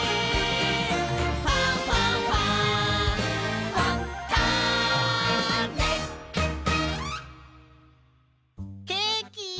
「ファンファンファン」ケーキ！